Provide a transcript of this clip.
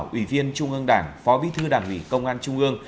ủy viên trung ương đảng phó bí thư đảng ủy công an trung ương